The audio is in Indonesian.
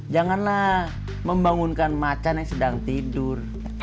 janganlah membangunkan macan yang sedang tidur